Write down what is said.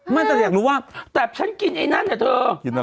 ไม่แต่อยากรู้ว่าแต่ฉันกินไอ้นั่นน่ะเธอ